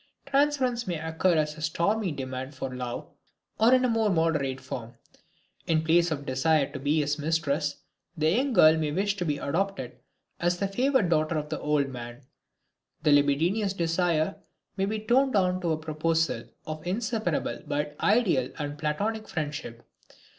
Transference may occur as a stormy demand for love or in a more moderate form; in place of the desire to be his mistress, the young girl may wish to be adopted as the favored daughter of the old man, the libidinous desire may be toned down to a proposal of inseparable but ideal and platonic friendship.